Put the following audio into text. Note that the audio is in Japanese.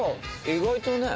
意外とね。